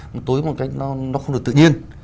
nó tối một cách nó không được tự nhiên